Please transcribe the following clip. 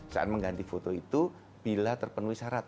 saat mengganti foto itu bila terpenuhi syarat